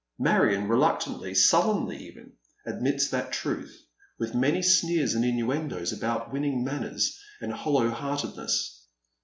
Marion reluctantly, sullenly even, admits that truth, with many sneers and innuendoes about winning manners and hoUow heartedness.